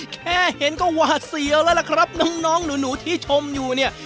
แค่เห็นก็หวาดเสียวแล้วล่ะครับน้องหนูที่ชมอยู่เนี่ย